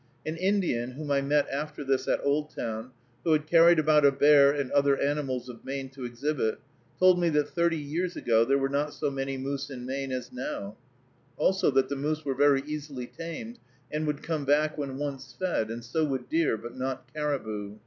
An Indian, whom I met after this at Oldtown, who had carried about a bear and other animals of Maine to exhibit, told me that thirty years ago there were not so many moose in Maine as now; also, that the moose were very easily tamed, and would come back when once fed, and so would deer, but not caribou.